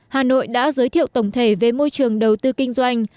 hà nội đã giới thiệu tổng thể về môi trường đầu tư kinh doanh